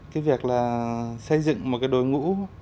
cái việc là xây dựng một cái đối ngũ